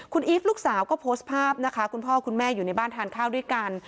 คุณอีฟลูกสาวก็โพสต์ภาพนะคะคุณพ่อคุณแม่อยู่ในบ้านทานข้าวด้วยกัน